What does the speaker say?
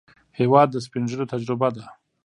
هېواد د سپینږیرو تجربه ده.